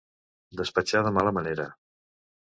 Despatxar de mala manera.